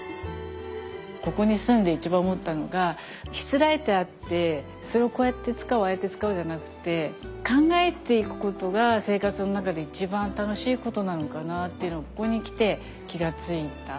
ここに住んで一番思ったのがしつらえてあってそれをこうやって使うああやって使うじゃなくて考えていくことが生活の中で一番楽しいことなのかなっていうのをここに来て気が付いた。